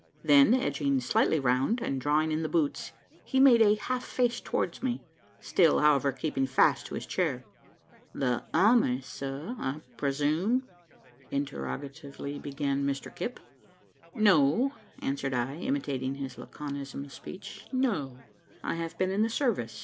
Then, edging slightly round, and drawing in the boots, he made a half face towards me still, however, keeping fast to his chair. "The army, sir, I prezoom?" interrogatively began Mr Kipp. "No," answered I, imitating his laconism of speech. "No!" "I have been in the service.